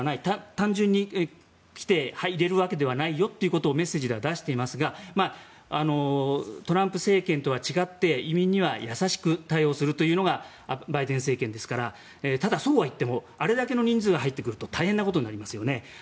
単純に来てはいれるわけではないよということをメッセージでは出していますがトランプ政権とは違って移民には優しく対応するというのがバイデン政権ですからただ、そうはいってもあれだけの人数が入ってくると大変なことになりますよね。